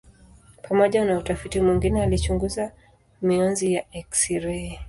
Pamoja na utafiti mwingine alichunguza mionzi ya eksirei.